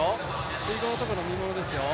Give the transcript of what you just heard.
水濠のところ見ものですよ。